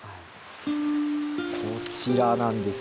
こちらなんです。